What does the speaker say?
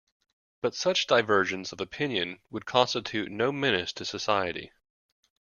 But such divergence of opinion would constitute no menace to society.